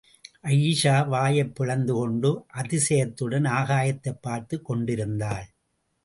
அயீஷா வாயைப் பிளந்து கொண்டு அதிசயத்துடன் ஆகாயத்தைப் பார்த்துக் கொண்டிருந்தாள்.